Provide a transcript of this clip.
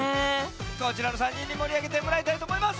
こちらの３にんにもりあげてもらいたいとおもいます。